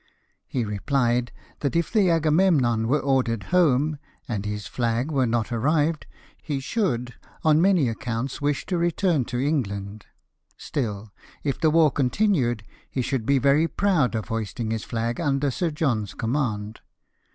He rephed that if the Agavie^ninon were ordered home, and his Hag were not arrived, he should, on many accounts, wish to return to England ; still, if the war continued, he should be very proud of hoisting his flag under Sir John's command.